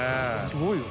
すごいよ。